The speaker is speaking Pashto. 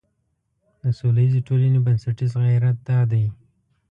د سولیزې ټولنې بنسټیز غیرت دا دی.